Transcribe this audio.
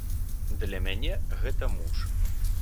Для мяне гэта муж.